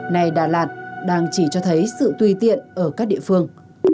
này đà lạt đang chỉ cho thấy sự tùy tiện ở các địa phương